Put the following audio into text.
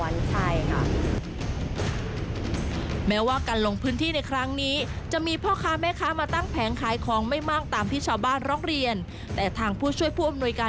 แล้วก็ขายแต่เห็นตรงแถวอยู่ใกล้โรงเรียนอะไรอย่างนี้ค่ะ